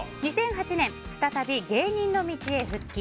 ２００８年、再び芸人の道へ復帰。